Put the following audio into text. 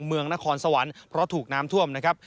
เมืองนครสวรรค์เพราะถูกน้ำท่วมนะครับ